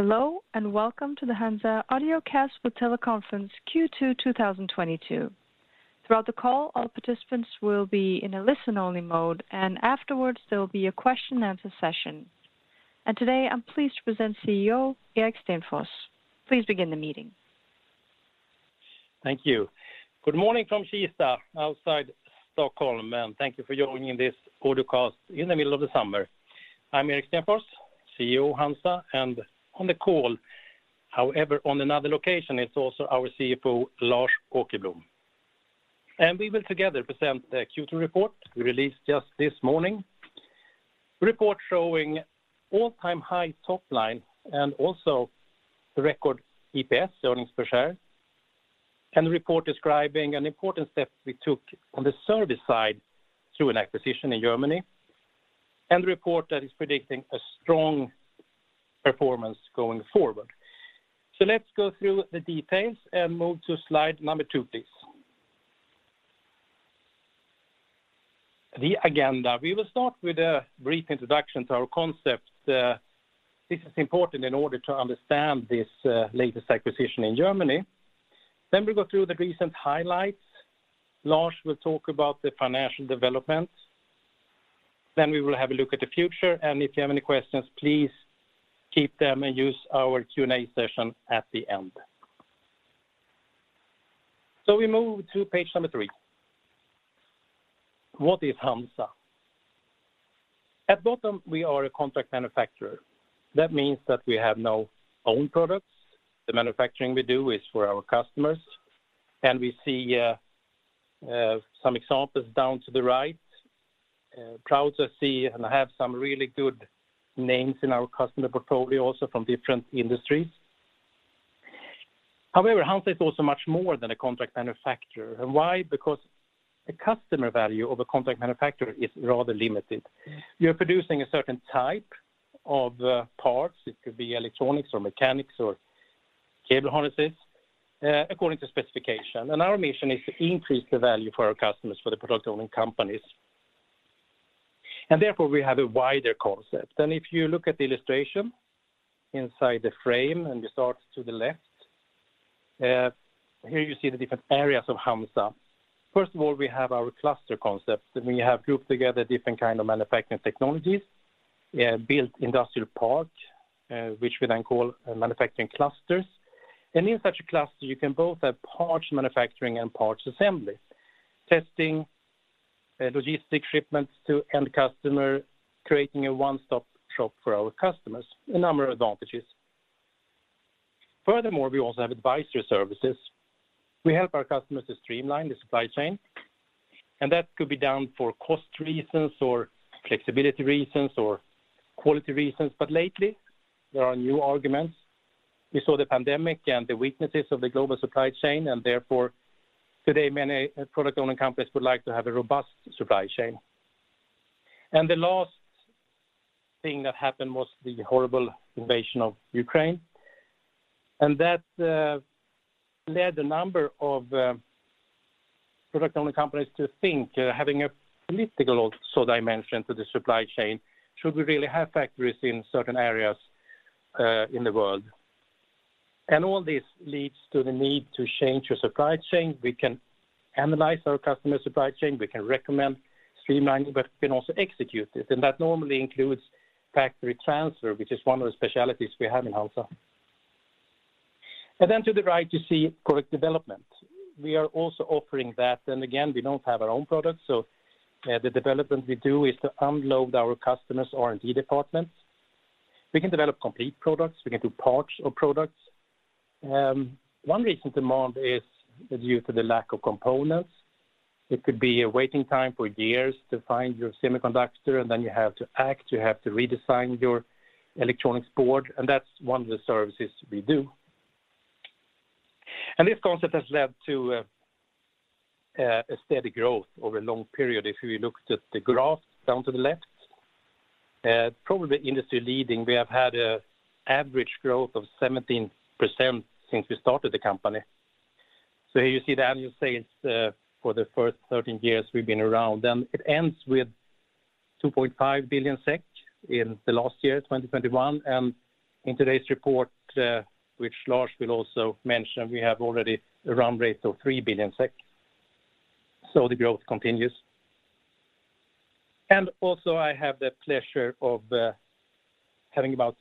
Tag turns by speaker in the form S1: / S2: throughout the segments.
S1: Hello, and welcome to the HANZA Audiocast for Teleconference Q2 2022. Throughout the call, all participants will be in a listen-only mode, and afterwards, there will be a question and answer session. Today, I'm pleased to present Chief Executive Officer Erik Stenfors. Please begin the meeting.
S2: Thank you. Good morning from Kista outside Stockholm, and thank you for joining this audiocast in the middle of the summer. I'm Erik Stenfors, Chief Executive Officer HANZA, and on the call, however, on another location, it's also our Chief Financial Officer, Lars Åkerblom. We will together present the Q2 report we released just this morning. Report showing all-time high top line and also the record EPS, earnings per share, and the report describing an important step we took on the service side through an acquisition in Germany, and the report that is predicting a strong performance going forward. Let's go through the details and move to slide number two, please. The agenda. We will start with a brief introduction to our concept. This is important in order to understand this, latest acquisition in Germany. Then we go through the recent highlights. Lars will talk about the financial development. We will have a look at the future. If you have any questions, please keep them and use our Q&A session at the end. We move to page number three. What is HANZA? At bottom, we are a contract manufacturer. That means that we have no own products. The manufacturing we do is for our customers, and we see some examples down to the right. Proud to see and have some really good names in our customer portfolio, also from different industries. However, HANZA is also much more than a contract manufacturer. Why? Because the customer value of a contract manufacturer is rather limited. You're producing a certain type of parts. It could be electronics or mechanics or cable harnesses according to specification. Our mission is to increase the value for our customers, for the product owning companies. Therefore, we have a wider concept. If you look at the illustration inside the frame and you start to the left, here you see the different areas of HANZA. First of all, we have our cluster concepts. When you have grouped together different kind of manufacturing technologies, built industrial parts, which we then call manufacturing clusters. In such a cluster, you can both have parts manufacturing and parts assembly, testing, logistic shipments to end customer, creating a one-stop shop for our customers, a number of advantages. Furthermore, we also have advisory services. We help our customers to streamline the supply chain, and that could be done for cost reasons or flexibility reasons or quality reasons. Lately, there are new arguments. We saw the pandemic and the weaknesses of the global supply chain, and therefore, today, many, product owning companies would like to have a robust supply chain. The last thing that happened was the horrible invasion of Ukraine. That led a number of, product owning companies to think, having a political also dimension to the supply chain, should we really have factories in certain areas, in the world? All this leads to the need to change your supply chain. We can analyze our customer supply chain, we can recommend streamlining, but we can also execute this. That normally includes factory transfer, which is one of the specialties we have in HANZA. Then to the right, you see product development. We are also offering that. Again, we don't have our own products, so the development we do is to unload our customers' R&D departments. We can develop complete products. We can do parts or products. One recent demand is due to the lack of components. It could be a waiting time for years to find your semiconductor, and then you have to act, you have to redesign your electronics board, and that's one of the services we do. This concept has led to a steady growth over a long period. If you look at the graph down to the left, probably industry leading, we have had an average growth of 17% since we started the company. Here you see the annual sales for the first 13 years we've been around. It ends with 2.5 billion SEK in the last year, 2021. In today's report, which Lars Åkerblom will also mention, we have already a run rate of 3 billion SEK. The growth continues. I have the pleasure of having about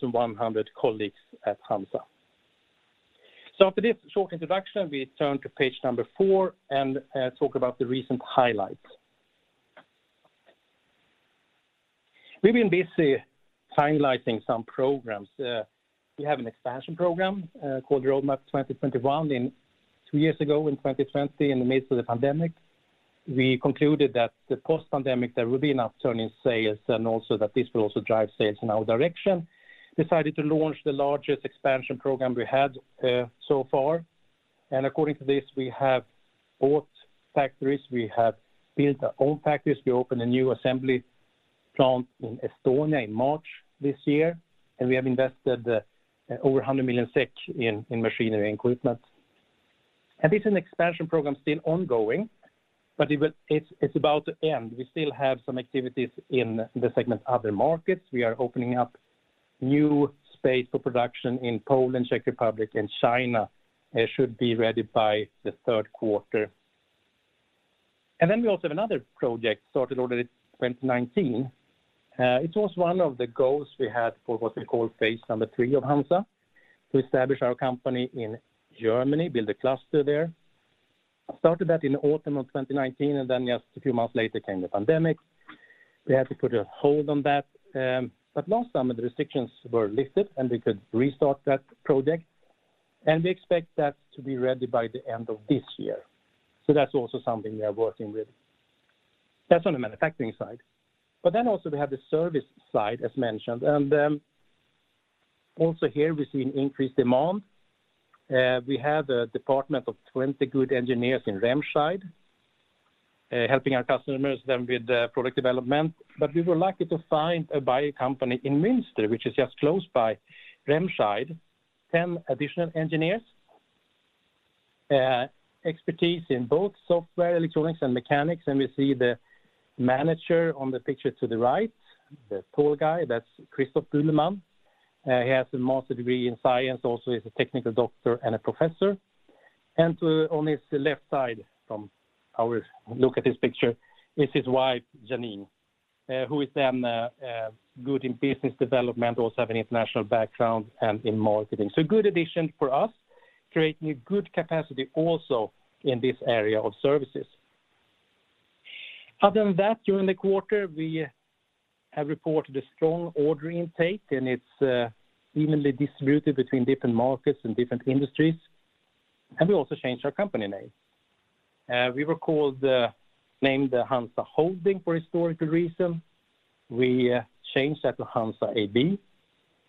S2: 2,100 colleagues at HANZA. After this short introduction, we turn to page number four and talk about the recent highlights. We've been busy finalizing some programs. We have an expansion program called Roadmap 2021. Two years ago, in 2020, in the midst of the pandemic, we concluded that the post-pandemic there will be an upturn in sales, and also that this will also drive sales in our direction. Decided to launch the largest expansion program we had so far. According to this, we have bought factories, we have built our own factories. We opened a new assembly plant in Estonia in March this year, and we have invested over 100 million SEK in machinery and equipment. This is an expansion program still ongoing, but it's about to end. We still have some activities in the segment other markets. We are opening up new space for production in Poland, Czech Republic, and China. It should be ready by the third quarter. We also have another project started already in 2019. It was one of the goals we had for what we call phase III of HANZA, to establish our company in Germany, build a cluster there. Started that in autumn of 2019, and just a few months later, came the pandemic. We had to put a hold on that. Last summer, the restrictions were lifted, and we could restart that project. We expect that to be ready by the end of this year. That's also something we are working with. That's on the manufacturing side. We have the service side, as mentioned. Also here we've seen increased demand. We have a department of 20 good engineers in Remscheid, helping our customers then with product development. We were lucky to find a buyer company in Münster, which is just close by Remscheid, 10 additional engineers, expertise in both software, electronics, and mechanics. We see the manager on the picture to the right, the tall guy, that's Christoph Guldenmann. He has a master's degree in science, also is a technical doctor and a professor. On his left side from our look at this picture is his wife, Janine, who is then good in business development, also have an international background, and in marketing. Good addition for us, creating a good capacity also in this area of services. Other than that, during the quarter, we have reported a strong order intake, and it's evenly distributed between different markets and different industries. We also changed our company name. We were called named HANZA Holding for historical reason. We changed that to HANZA AB.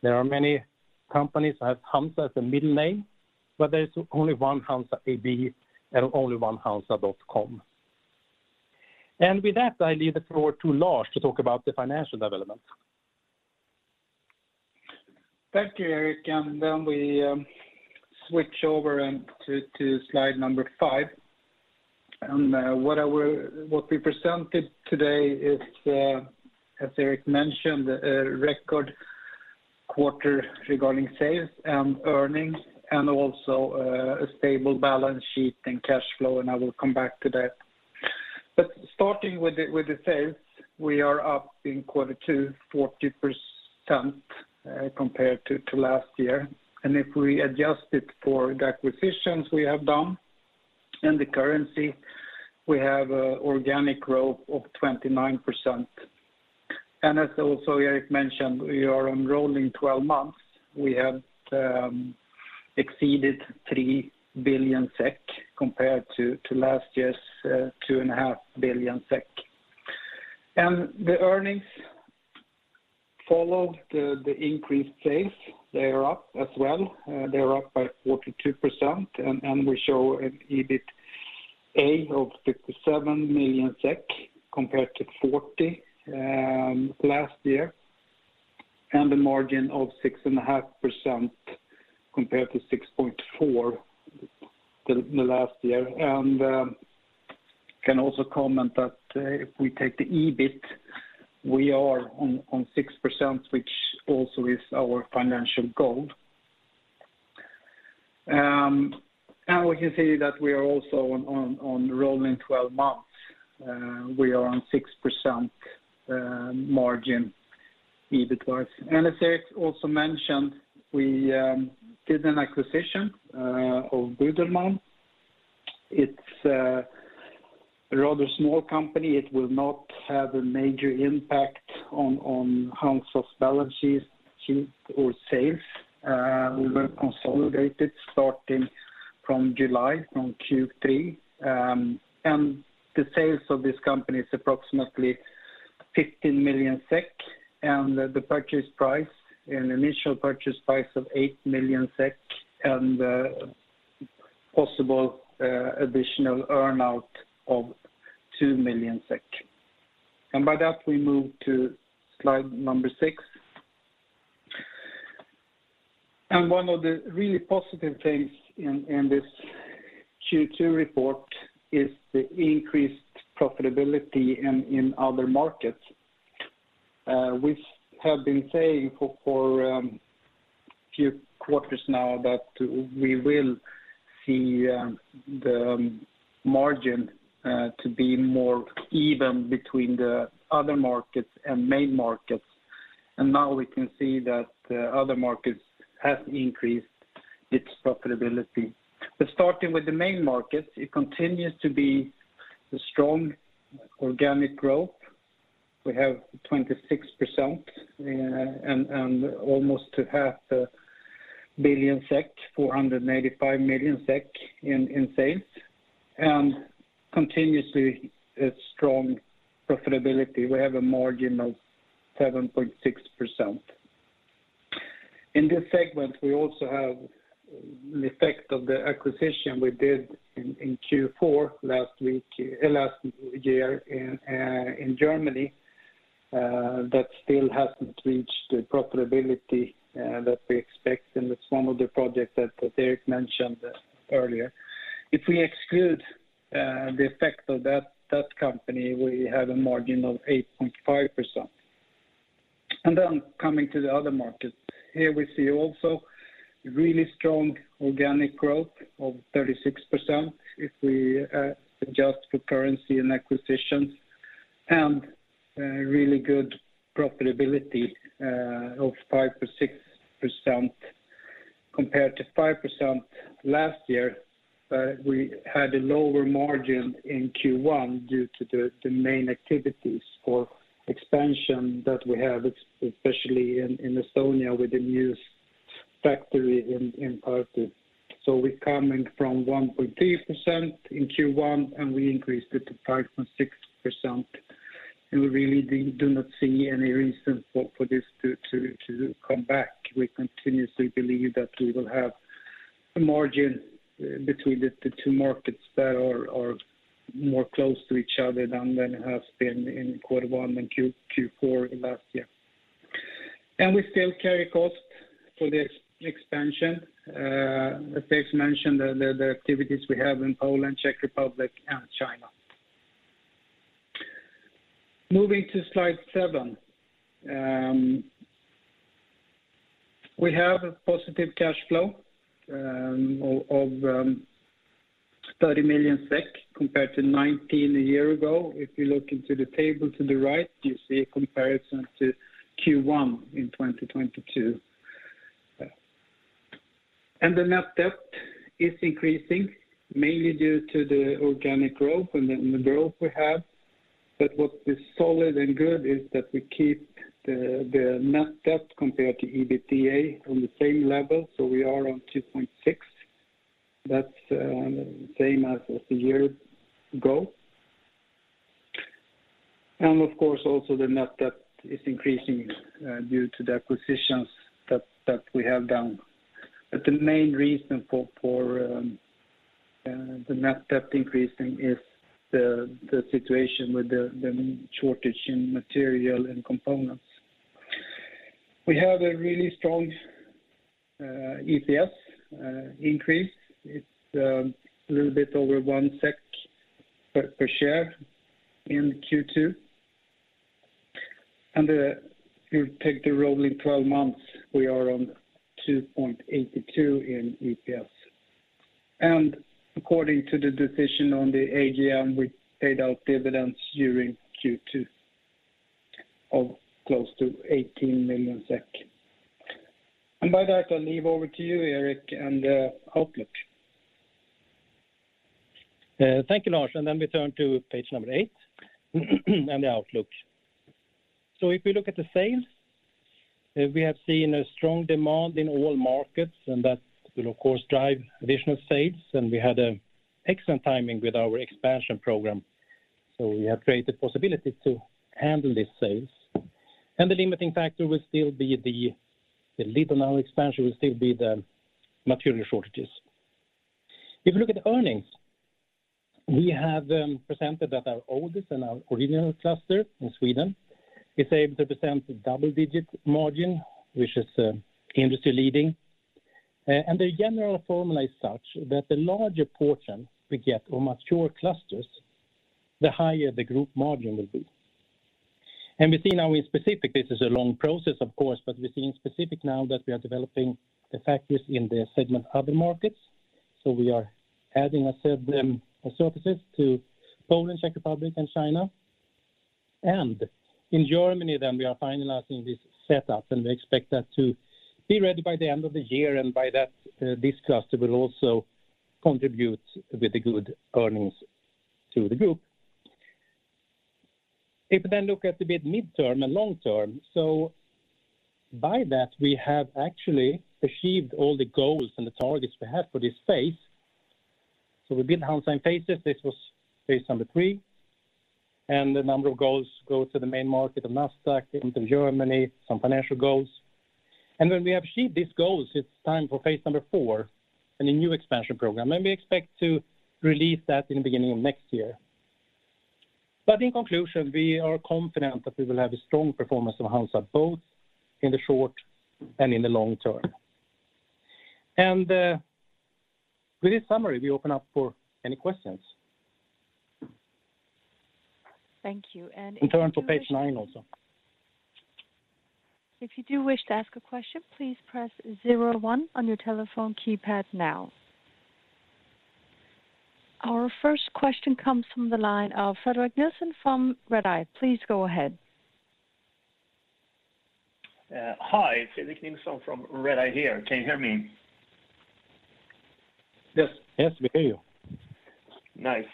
S2: There are many companies that have HANZA as a middle name, but there's only one HANZA AB and only one hanza.com. With that, I leave the floor to Lars to talk about the financial development.
S3: Thank you, Erik. We switch over to slide number five. What we presented today is, as Erik mentioned, a record quarter regarding sales and earnings and also a stable balance sheet and cash flow, and I will come back to that. Starting with the sales, we are up in quarter two 40%, compared to last year. If we adjust it for the acquisitions we have done and the currency, we have an organic growth of 29%. As Erik also mentioned, we are on rolling twelve months. We have exceeded 3 billion SEK compared to last year's 2.5 billion SEK. The earnings follow the increased sales. They are up as well. They're up by 42%. We show an EBITA of 57 million SEK compared to 40 million last year, and a margin of 6.5% compared to 6.4% last year. We can also comment that if we take the EBIT, we are on 6%, which also is our financial goal. We can say that we are also on rolling twelve months, we are on 6% margin EBITDA. As Erik also mentioned, we did an acquisition of Budelmann. It's a rather small company. It will not have a major impact on HANZA's balance sheet or sales. We were consolidated starting from July, from Q3. The sales of this company is approximately 15 million SEK, and the purchase price, an initial purchase price of 8 million SEK and possible additional earn-out of 2 million SEK. By that, we move to slide number six. One of the really positive things in this Q2 report is the increased profitability in other markets. We have been saying for few quarters now that we will see the margin to be more even between the other markets and main markets. Now we can see that other markets has increased its profitability. Starting with the main markets, it continues to be a strong organic growth. We have 26% and almost to half a billion SEK, 485 million SEK in sales. Continuously, a strong profitability. We have a margin of 7.6%. In this segment, we also have an effect of the acquisition we did in Q4 last year in Germany. That still hasn't reached the profitability that we expect, and it's one of the projects that Erik mentioned earlier. If we exclude the effect of that company, we have a margin of 8.5%. Then coming to the other markets. Here we see also really strong organic growth of 36% if we adjust for currency and acquisitions, and really good profitability of 5%-6% compared to 5% last year. We had a lower margin in Q1 due to the main activities for expansion that we have, especially in Estonia with the new s-factory in Tartu. We're coming from 1.3% in Q1, and we increased it to 5.6%, and we really do not see any reason for this to come back. We continuously believe that we will have a margin between the two markets that are more close to each other than it has been in quarter one and Q4 last year. We still carry cost for this expansion. As Erik mentioned, the activities we have in Poland, Czech Republic, and China. Moving to slide seven. We have a positive cash flow of 30 million SEK compared to 19 million a year ago. If you look into the table to the right, you see a comparison to Q1 in 2022. The net debt is increasing, mainly due to the organic growth and the growth we have. What is solid and good is that we keep the net debt compared to EBITDA on the same level, so we are on 2.6x. That's the same as a year ago. Of course, also the net debt is increasing due to the acquisitions that we have done. The main reason for the net debt increasing is the situation with the shortage in material and components. We have a really strong EPS increase. It's a little bit over 1 SEK per share in Q2. If you take the rolling twelve months, we are on 2.82 in EPS. According to the decision on the AGM, we paid out dividends during Q2 of close to 18 million SEK. With that, I'll hand over to you, Erik, and outlook.
S2: Thank you, Lars, and then we turn to page number eight, and the outlook. If we look at the sales, we have seen a strong demand in all markets, and that will of course drive additional sales, and we had excellent timing with our expansion program, so we have created possibility to handle these sales. The limiting factor will still be the lead time on our expansion. It will still be the material shortages. If you look at earnings, we have presented that our oldest and our original cluster in Sweden is able to present a double-digit margin, which is industry-leading. The general formula is such that the larger portion we get on mature clusters, the higher the group margin will be. We see now increasingly specific, this is a long process of course, but we're seeing specifics now that we are developing the factories in the segment other markets. We are adding a set of services to Poland, Czech Republic, and China. In Germany then we are finalizing this setup, and we expect that to be ready by the end of the year. By that, this cluster will also contribute with the good earnings to the group. If we then look at the mid-term and long-term, so by that, we have actually achieved all the goals and the targets we had for this phase. We've been HANZA in phases. This was phase number three, and a number of goals go to the main market of Nasdaq, into Germany, some financial goals. When we achieve these goals, it's time for phase number four and a new expansion program, and we expect to release that in the beginning of next year. In conclusion, we are confident that we will have a strong performance of HANZA both in the short and in the long term. With this summary, we open up for any questions.
S1: Thank you. If you wish-
S2: We turn to page nine also.
S1: If you do wish to ask a question, please press zero one on your telephone keypad now. Our first question comes from the line of Fredrik Nilsson from Redeye. Please go ahead.
S4: Hi. It's Fredrik Nilsson from Redeye here. Can you hear me?
S3: Yes.
S2: Yes, we hear you.
S4: Nice.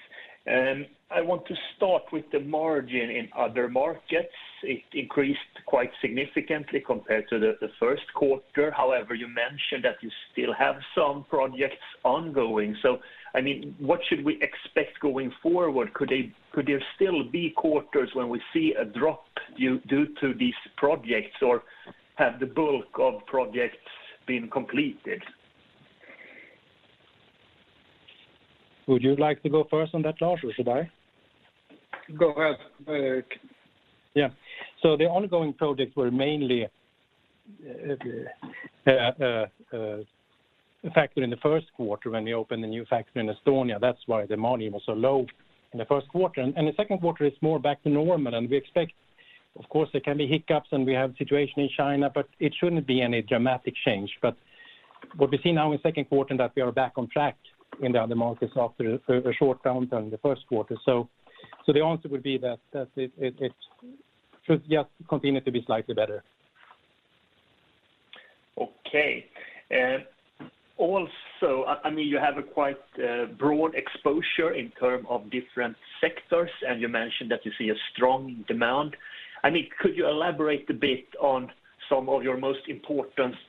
S4: I want to start with the margin in other markets. It increased quite significantly compared to the first quarter. However, you mentioned that you still have some projects ongoing. I mean, what should we expect going forward? Could there still be quarters when we see a drop due to these projects, or have the bulk of projects been completed?
S2: Would you like to go first on that, Lars Åkerblom, or should I?
S3: Go ahead, Erik.
S2: Yeah. The ongoing projects were mainly a factor in the first quarter when we opened a new factory in Estonia. That's why the margin was so low in the first quarter. The second quarter is more back to normal, and we expect, of course, there can be hiccups, and we have situation in China, but it shouldn't be any dramatic change. What we see now in second quarter that we are back on track in the other markets after a short downturn in the first quarter. The answer would be that it should just continue to be slightly better.
S4: Okay. Also, I mean, you have a quite broad exposure in terms of different sectors, and you mentioned that you see a strong demand. I mean, could you elaborate a bit on some of your most important sectors?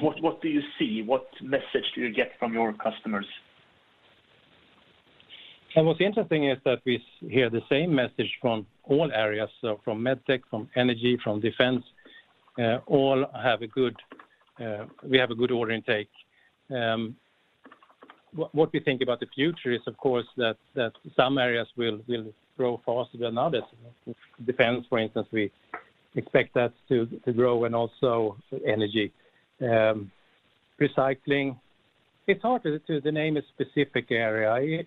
S4: What do you see? What message do you get from your customers?
S2: What's interesting is that we hear the same message from all areas, so from med tech, from energy, from defense, we have a good order intake. What we think about the future is, of course, that some areas will grow faster than others. Defense, for instance, we expect that to grow, and also energy, recycling. It's hard to name a specific area.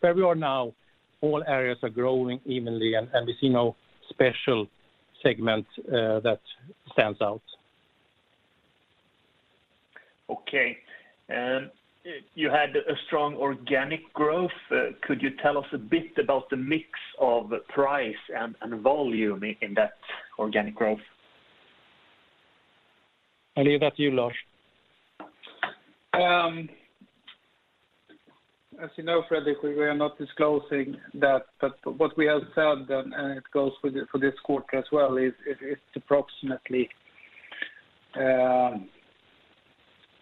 S2: Where we are now, all areas are growing evenly, and we see no special segment that stands out.
S4: Okay. You had a strong organic growth. Could you tell us a bit about the mix of price and volume in that organic growth?
S2: I'll leave that to you, Lars.
S3: As you know, Fredrik, we are not disclosing that, but what we have said, and it goes with it for this quarter as well, is it's approximately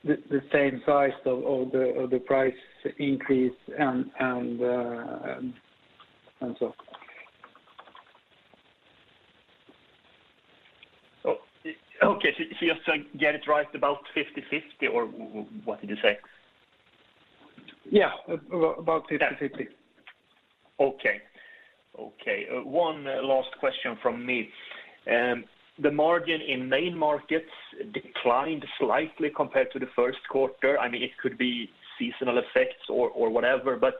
S3: the same size of the price increase and so.
S4: Okay. Just to get it right, about 50-50, or what did you say?
S3: Yeah. About 50/50.
S4: Okay. One last question from me. The margin in main markets declined slightly compared to the first quarter. I mean, it could be seasonal effects or whatever, but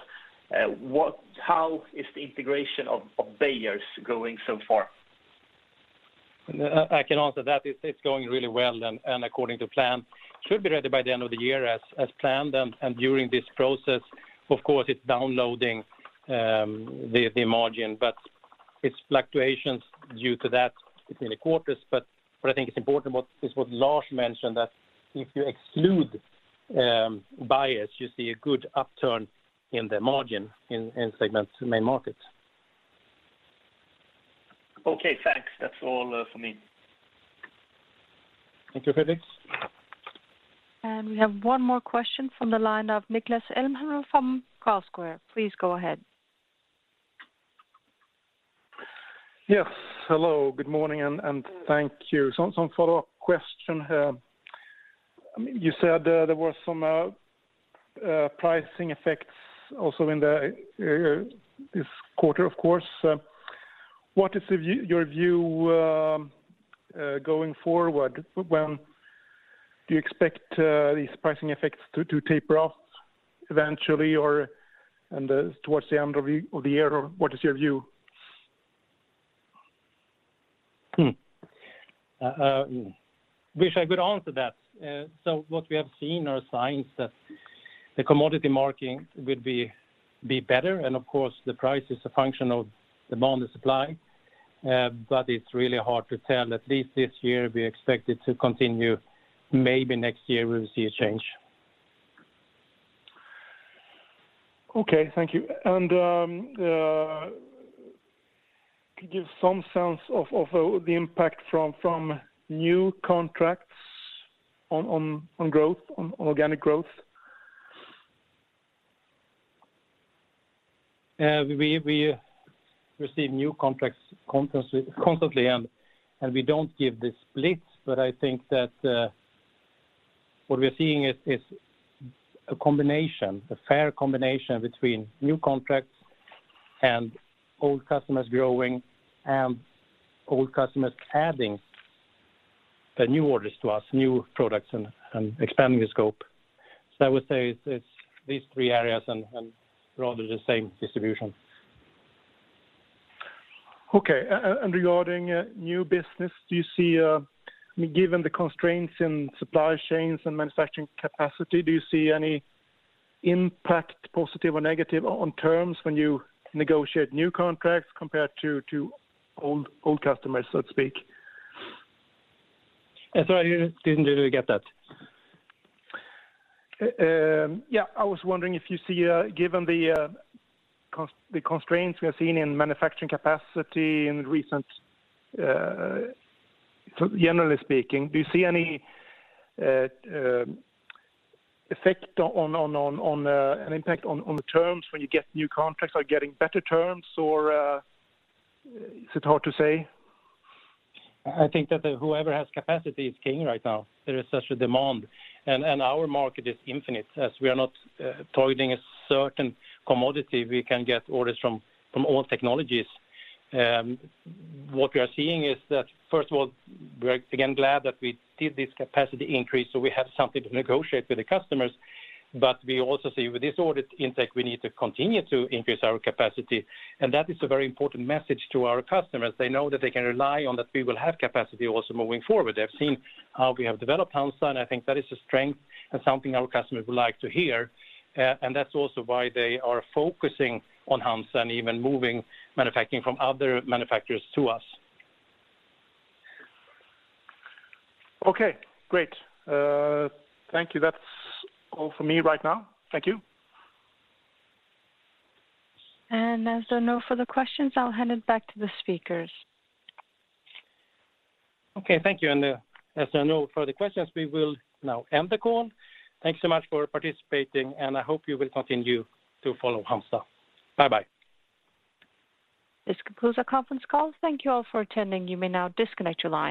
S4: how is the integration of Budelmann's going so far?
S2: I can answer that. It's going really well and according to plan. Should be ready by the end of the year as planned. During this process, of course, it's diluting the margin. There are fluctuations due to that between the quarters, but what I think is important is what Lars mentioned, that if you exclude buyers, you see a good upturn in the margin in segment main markets.
S4: Okay, thanks. That's all, from me.
S2: Thank you, Fredrik.
S1: We have one more question from the line of Niklas Elmhammer from Carlsquare. Please go ahead.
S5: Yes. Hello, good morning, and thank you. Some follow-up question. You said there was some pricing effects also in this quarter, of course. What is the view, your view, going forward? When do you expect these pricing effects to taper off eventually or and towards the end of the year? What is your view?
S2: Wish I could answer that. What we have seen are signs that the commodity market will be better, and of course, the price is a function of demand and supply. It's really hard to tell. At least this year we expect it to continue. Maybe next year we'll see a change.
S5: Okay, thank you. Could you give some sense of the impact from new contracts on growth, on organic growth?
S2: We receive new contracts constantly, and we don't give the splits, but I think that what we're seeing is a combination, a fair combination between new contracts and old customers growing and old customers adding the new orders to us, new products and expanding the scope. I would say it's these three areas and rather the same distribution.
S5: Okay. Regarding new business, do you see, given the constraints in supply chains and manufacturing capacity, do you see any impact, positive or negative, on terms when you negotiate new contracts compared to old customers, so to speak?
S2: Sorry, I didn't really get that.
S5: Yeah. I was wondering if you see, given the constraints we are seeing in manufacturing capacity in recent, generally speaking, do you see any effect on an impact on the terms when you get new contracts? Are you getting better terms or is it hard to say?
S2: I think that whoever has capacity is king right now. There is such a demand. Our market is infinite, as we are not targeting a certain commodity. We can get orders from all technologies. What we are seeing is that, first of all, we're again glad that we did this capacity increase, so we have something to negotiate with the customers. We also see with this order intake, we need to continue to increase our capacity, and that is a very important message to our customers. They know that they can rely on that we will have capacity also moving forward. They've seen how we have developed HANZA, and I think that is a strength and something our customers would like to hear. That's also why they are focusing on HANZA and even moving manufacturing from other manufacturers to us.
S5: Okay, great. Thank you. That's all for me right now. Thank you.
S1: As there are no further questions, I'll hand it back to the speakers.
S2: Okay, thank you. As there are no further questions, we will now end the call. Thanks so much for participating, and I hope you will continue to follow HANZA. Bye-bye.
S1: This concludes our conference call. Thank you all for attending. You may now disconnect your lines.